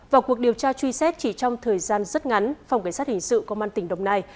vào cuộc điều tra truy xét chỉ trong thời gian rất ngắn phòng cảnh sát hình sự công an tỉnh đồng nai